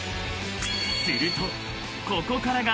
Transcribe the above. ［するとここからが］